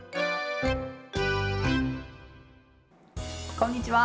こんにちは。